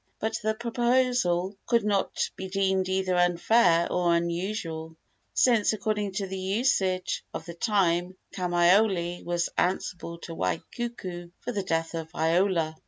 But the proposal could not be deemed either unfair or unusual, since, according to the usage of the time, Kamaiole was answerable to Waikuku for the death of Iola.